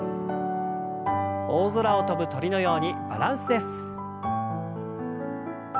大空を飛ぶ鳥のようにバランスです。